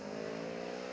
nggak ada pakarnya